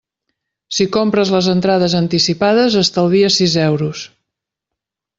Si compres les entrades anticipades estalvies sis euros.